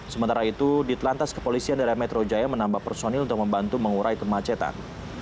sementara itu ditelantas kepolisian dari metro jaya menambah personil untuk membantu mengurai temacetan